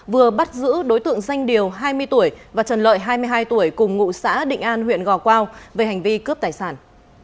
vừa bắt giữ đối tượng danh điều hai mươi tuổi và trần lợi hai mươi hai tuổi cùng ngụ xã định an huyện gò quao về hành vi cướp tài sản